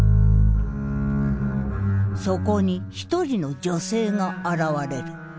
そこに一人の女性が現れる。